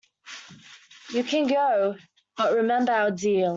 You can go, but remember our deal.